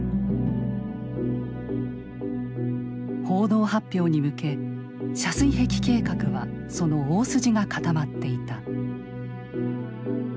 報道発表に向け遮水壁計画はその大筋が固まっていた。